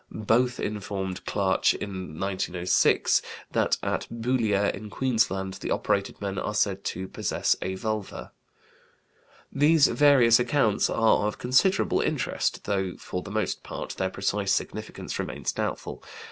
Both informed Klaatsch in 1906 that at Boulia in Queensland the operated men are said to "possess a vulva." These various accounts are of considerable interest, though for the most part their precise significance remains doubtful.